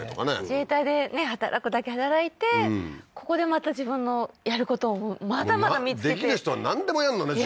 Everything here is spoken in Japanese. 自衛隊で働くだけ働いてここでまた自分のやることをまだまだ見つけてできる人はなんでもやんのね